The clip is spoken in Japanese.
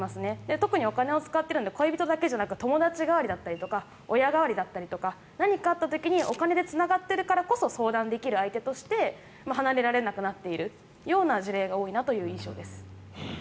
特にお金を使っているので恋人だけじゃなく友達代わりだったりとか親代わりだったりとか何かあった時にお金でつながってるからこそ相談できる相手として離れられなくなっている事例が多い印象です。